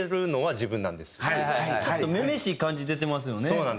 ちょっと女々しい感じ出てますよね。